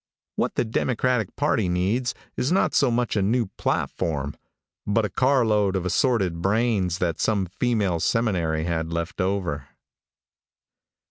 What the Democratic party needs, is not so much a new platform, but a carload of assorted brains that some female seminary had left over.